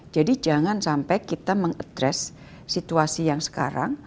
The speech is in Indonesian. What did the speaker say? jadi jangan sampai kita mengadres situasi yang sekarang